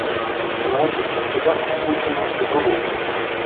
Но ето че сега се случи нещо друго.